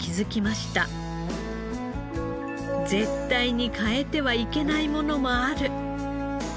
絶対に変えてはいけないものもある。